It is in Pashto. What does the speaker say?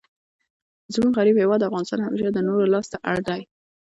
زموږ غریب هیواد افغانستان همېشه د نورو لاس ته اړ دئ.